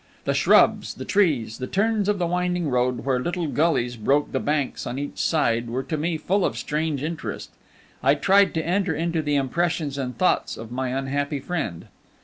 The shrubs, the trees, the turns of the winding road where little gullies broke the banks on each side, were to me full of strange interest. I tried to enter into the impressions and thoughts of my unhappy friend.